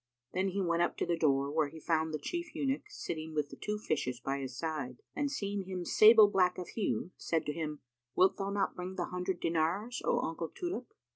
Then he went up to the door, where he found the Chief Eunuch sitting with the two fishes by his side: and seeing him sable black of hue, said to him, "Wilt thou not bring the hundred dinars, O uncle Tulip?"